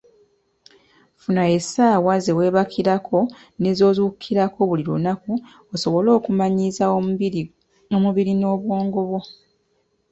Funa essaawa zeweebakirako n'ezokuzuukukirako buli lunaku osobole okumanyiiza omubiri n'obwongo bwo.